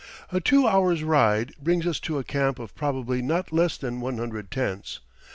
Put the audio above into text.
A two flours' ride brings us to a camp of probably not less than one hundred tents.